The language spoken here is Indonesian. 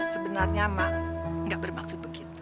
sebenarnya emak gak bermaksud begitu